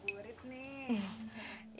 gak mau gurit nih